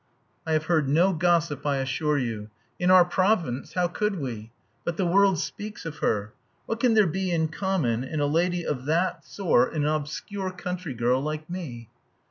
"I have heard no gossip, I assure you. In our province how could we? But the world speaks of her. What can there be in common in a lady of that sort and an obscure country girl like me?"